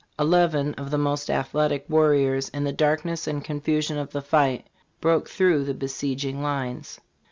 Eleven of the most athletic warriors, in the darkness and confusion of the fight, broke through the besieging lines.